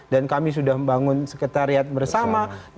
dan kami sudah membangun sekretariat bersama